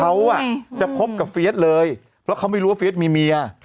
เขาจะพบกับเฟียสเลยเพราะเขาไม่รู้ว่าเฟียสมีเมีย